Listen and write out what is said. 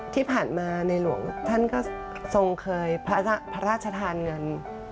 ที่ผ่านมาในหลวงท่านก็ทรงเคยพระราชทานเงิน